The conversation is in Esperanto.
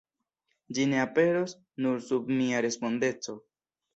Ĝi ne aperos nur sub mia respondeco.